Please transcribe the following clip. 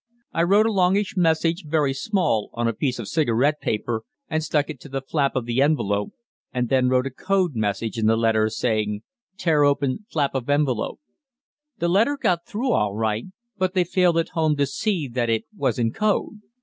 I wrote a longish message, very small, on a piece of cigarette paper, and stuck it to the flap of the envelope, and then wrote a code message in the letter saying, "Tear open flap of envelope." The letter got through all right, but they failed at home to see that it was in code.